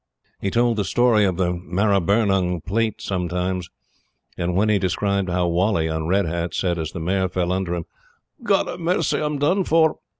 He told the story of the Maribyrnong Plate sometimes; and when he described how Whalley on Red Hat, said, as the mare fell under him: "God ha' mercy, I'm done for!"